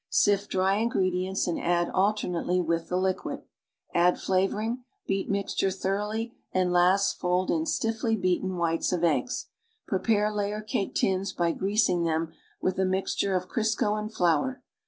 Sift dry ingredients and add alternately wilh the liquid. Add flavoring, beat mixture thoroughly and last fold in stiffly beaten wliites of eggs. Prepare layer cake tins by greasing them witli a mixture of Crisco and flour.